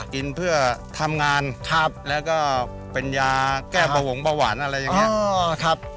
กินเพื่อทำงานครับแล้วก็เป็นยาแก้ประวงประหว่านอะไรอย่างเงี้ยอ๋อครับ